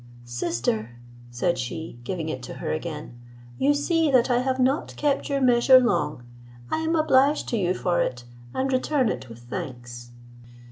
"Sister," said she, giving it to her again, "you see that I have not kept your measure long; I am obliged to you for it, and return it with thanks."